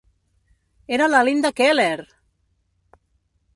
Era la Linda Keller!